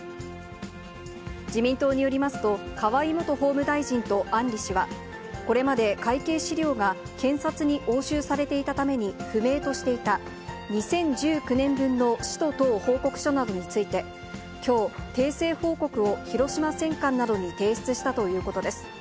自民党によりますと、河井元法務大臣と案里氏は、これまで会計資料が検察に押収されていたために不明としていた、２０１９年分の使途等報告書などについて、きょう、訂正報告を広島選管などに提出したということです。